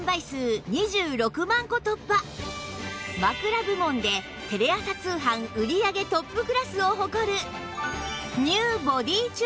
枕部門でテレ朝通販売り上げトップクラスを誇る